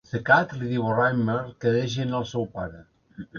The Cat li diu a Rimmer que deixi anar el seu pare.